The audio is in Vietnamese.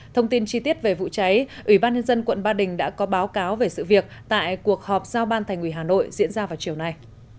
thông tin chi tiết về vụ cháy ủy ban nhân dân quận ba đình đã có báo cáo về sự việc tại cuộc họp giao ban thành ủy hà nội diễn ra vào chiều nay